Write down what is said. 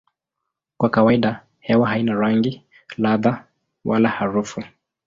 Kwa kawaida hewa haina rangi, ladha wala harufu.